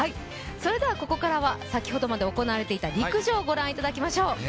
それではここからは先ほどまで行われていた陸上ご覧いただきましょう。